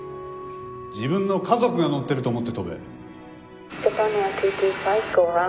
自分の家族が乗ってると思って飛べ。